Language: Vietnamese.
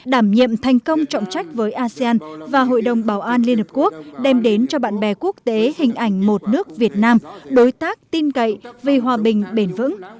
đảm nhiệm thành công trọng trách với asean và hội đồng bảo an liên hợp quốc đem đến cho bạn bè quốc tế hình ảnh một nước việt nam đối tác tin cậy vì hòa bình bền vững